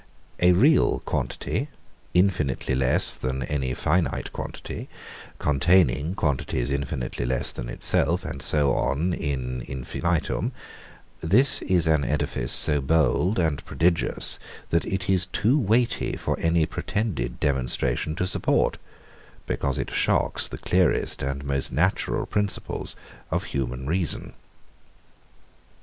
A real quantity, infinitely less than any finite quantity, containing quantities infinitely less than itself, and so on in infinitum; this is an edifice so bold and prodigious, that it is too weighty for any pretended demonstration to support, because it shocks the clearest and most natural principles of human reason.